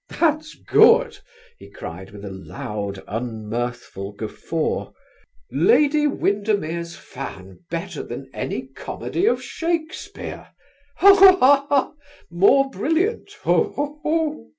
"That's good," he cried with a loud unmirthful guffaw. "'Lady Windermere's Fan' better than any comedy of Shakespeare! Ha! ha! ha! 'more brilliant!' ho! ho!"